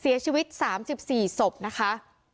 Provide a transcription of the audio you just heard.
เสียชีวิต๓๔ศพนะคะ